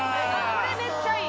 これめっちゃいい。